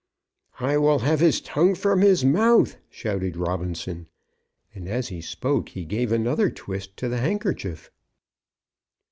"I will have his tongue from his mouth," shouted Robinson, and as he spoke, he gave another twist to the handkerchief.